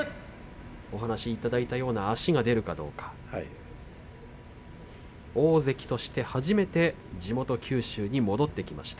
お話いただいたような足が出るかどうか大関として初めて地元・九州に戻ってきました。